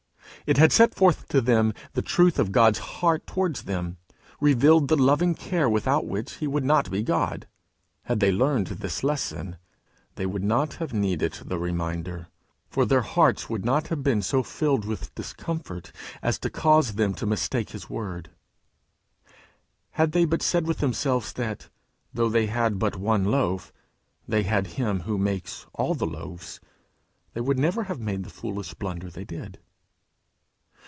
It had set forth to them the truth of God's heart towards them; revealed the loving care without which he would not be God. Had they learned this lesson, they would not have needed the reminder; for their hearts would not have been so filled with discomfort as to cause them mistake his word. Had they but said with themselves that, though they had but one loaf, they had him who makes all the loaves, they would never have made the foolish blunder they did.